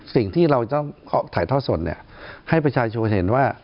สิ่งที่เราต้องถ่ายท่อสดเนี่ยให้ประชาชนเห็นว่า